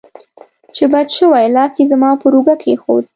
چې بچ شوې، لاس یې زما پر اوږه کېښود.